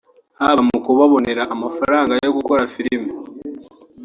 haba mu kubabonera amafaranga yo gukora filime